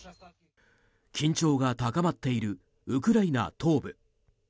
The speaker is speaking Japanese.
緊張が高まっているウクライナ東部。